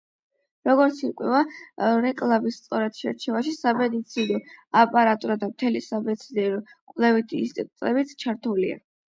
როგორც ირკვევა, რეკლამის სწორად შერჩევაში სამედიცინო აპარატურა და მთელი სამეცნიერო-კვლევითი ინსტიტუტებიც ჩართულია.